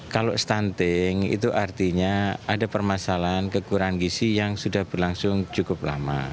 kalau stunting itu artinya ada permasalahan kekurangan gisi yang sudah berlangsung cukup lama